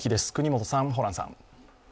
國本さん、ホランさん。